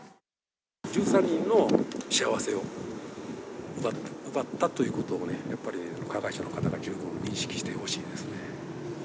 １３人の幸せを奪ったということをね、やっぱり、加害者の方には十分認識してほしいですね。